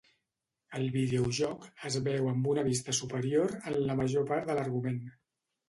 El videojoc es veu amb una vista superior en la major part de l'argument.